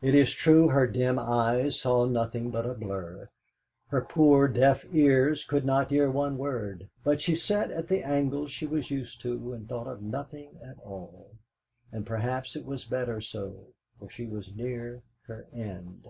It is true her dim eyes saw nothing but a blur, her poor deaf ears could not hear one word, but she sat at the angle she was used to, and thought of nothing at all. And perhaps it was better so, for she was near her end.